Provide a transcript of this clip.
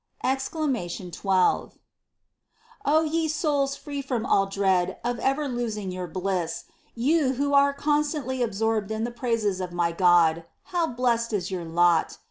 EXCLAMATION XIL^ 1. O ye souls free from all dread of ever losing your bliss, — you, who are constantly absorbed in the praises of my God, how blessed is your lot